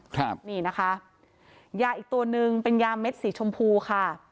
ยาอีกตัวนึงเป็นยาเม็ดสีชมพูค่ะ